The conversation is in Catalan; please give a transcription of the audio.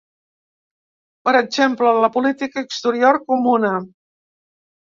Per exemple, la política exterior comuna.